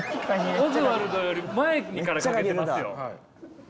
オズワルドより前からかけてますよ。